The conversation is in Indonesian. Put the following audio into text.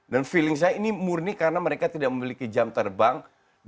feeling saya ini murni karena mereka tidak memiliki jam terbang